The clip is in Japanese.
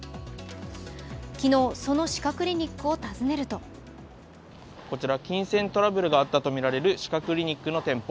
昨日、その歯科クリニックを訪ねるとこちら金銭トラブルがあったとみられる歯科クリニックの店舗。